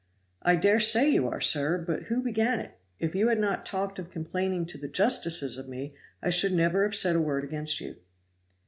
"I dare say you are, sir, but who began it; if you had not talked of complaining to the justices of me, I should never have said a word against you."